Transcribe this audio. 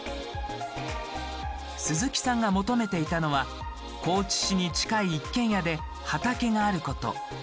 鈴木さんが求めていたのは高知市に近い一軒家で畑があること。